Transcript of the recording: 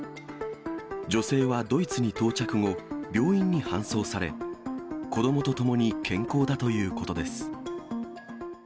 女性はドイツに到着後、病院に搬送され、子どもとともに健康だということです。